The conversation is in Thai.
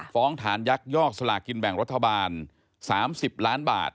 ฟ้องฐานยักยอกสลากินแบ่งรัฐบาล๓๐ล้านบาท